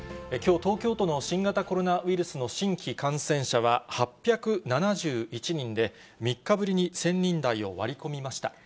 きょう、東京都の新型コロナウイルスの新規感染者は８７１人で、３日ぶりに１０００人台を割り込みました。